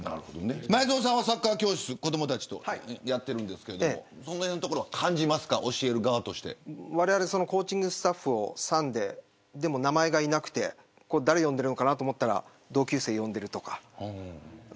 前園さんはサッカー教室子どもたちとやっていますがこの辺のところ感じますか教える側としてコーチングスタッフをさんで名前がいなくて誰を呼んでるのかと思ったら同級生を呼んでいるとか。